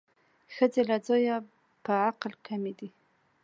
ښځې له ځایه په عقل کمې دي